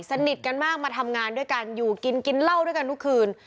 สนิทกันมากมาทำงานด้วยกันอยู่กินกินเหล้าด้วยกันทุกคืน